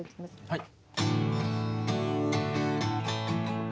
はい。